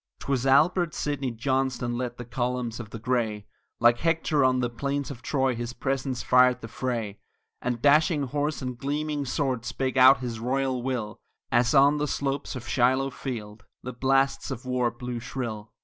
'Twas Albert Sidney Johnston led the columns of the Gray, Like Hector on the plains of Troy his presence fired the fray; And dashing horse and gleaming sword spake out his royal will As on the slopes of Shiloh field the blasts of war blew shrill.